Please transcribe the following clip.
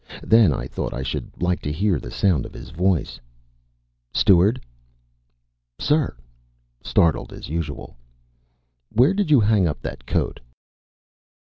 Then I thought I should like to hear the sound of his voice. "Steward!" "Sir!" Startled as usual. "Where did you hang up that coat?"